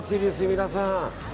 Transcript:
皆さん。